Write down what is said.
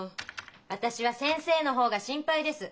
私は先生の方が心配です。